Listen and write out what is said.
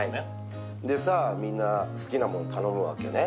でさ、みんな好きなものを頼むわけね。